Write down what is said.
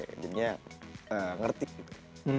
sebenernya ngerti gitu